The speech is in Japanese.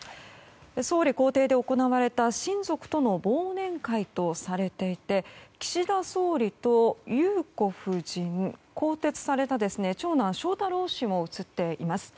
総理公邸で行われた親族との忘年会とされていて岸田総理と裕子夫人更迭された長男・翔太郎氏も写っています。